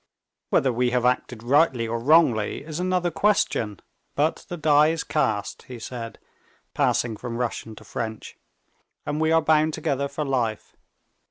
Whether we have acted rightly or wrongly is another question, but the die is cast," he said, passing from Russian to French, "and we are bound together for life.